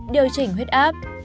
điều chỉnh huyết áp